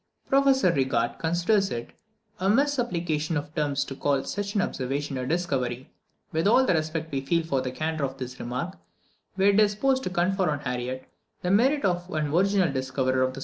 Professor Rigaud considers it "a misapplication of terms to call such an observation a discovery;" but, with all the respect which we feel for the candour of this remark, we are disposed to confer on Harriot the merit of an original discoverer of the spots on the sun.